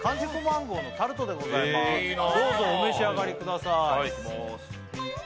どうぞお召し上がりくださいいただきます